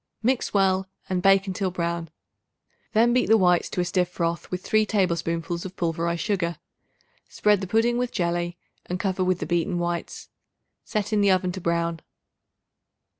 Mix well and bake until brown; then beat the whites to a stiff froth with 3 tablespoonfuls of pulverized sugar. Spread the pudding with jelly and cover with the beaten whites; set in the oven to brown.